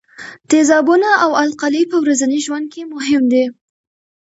تیزابونه او القلي په ورځني ژوند کې مهم دي.